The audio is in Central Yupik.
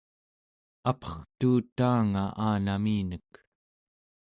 apertuutaanga aanaminek